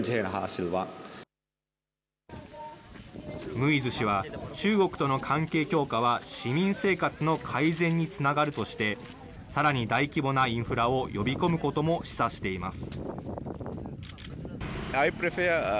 ムイズ氏は、中国との関係強化は市民生活の改善につながるとして、さらに大規模なインフラを呼び込むことも示唆しています。